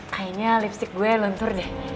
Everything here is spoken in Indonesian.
kayaknya lipstick gue luntur deh